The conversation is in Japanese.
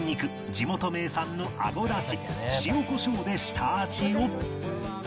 地元名産のアゴだし塩コショウで下味を